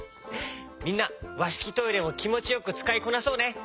みんなわしきトイレもきもちよくつかいこなそうね！